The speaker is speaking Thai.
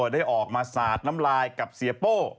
ได้ออกมาสาดน้ำลายกับเสียโป้